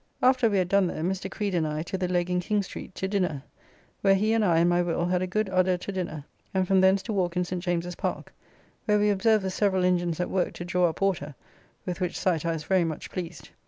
After we had done there Mr. Creed and I to the Leg in King Street, to dinner, where he and I and my Will had a good udder to dinner, and from thence to walk in St. James's Park, where we observed the several engines at work to draw up water, with which sight I was very much pleased.